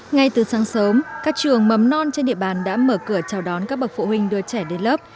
ngay từ sáng sớm các trường mầm non trên địa bàn đã mở cửa chào đón các bậc phụ huynh đưa trẻ đến lớp